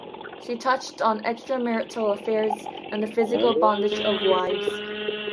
She touches on extramarital affairs and the physical bondage of wives'.